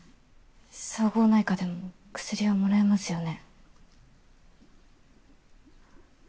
総合内科でも薬はもらえますよね？